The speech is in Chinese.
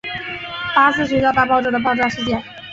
巴斯学校大爆炸的爆炸事件。